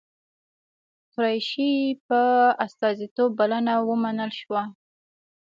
قریشي په استازیتوب بلنه ومنل شوه.